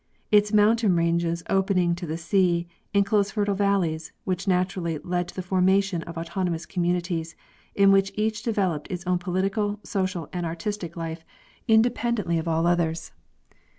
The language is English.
Its mountain ranges opening to the sea inclose fertile valleys, which naturally led to the formation of autonomous communities, in which each de veloped its own political, social and artistic life independently 12. G. G. Hubbard—Geographic Progress of Civilization. of all others.